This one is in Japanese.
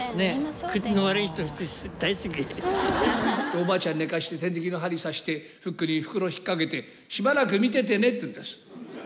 おばあちゃん寝かせて点滴の針刺してフックに袋引っかけてしばらく見ててねって言うんです。